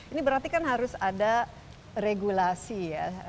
ini berarti kan harus ada regulasi ya